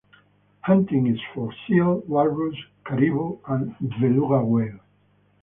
Hunting is for seal, walrus, caribou, and beluga whale.